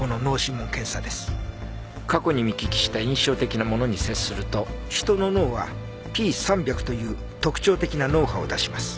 過去に見聞きした印象的なものに接すると人の脳はＰ３００という特徴的な脳波を出します。